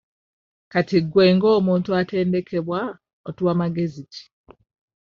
Kati gwe ng'omuntu atendekebwa otuwa magezi ki?